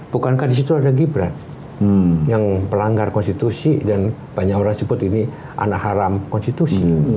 bukankah di situ ada gibran yang pelanggar konstitusi dan banyak orang sebut ini anak haram konstitusi